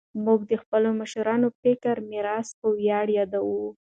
موږ د خپلو مشرانو فکري میراث په ویاړ یادوو.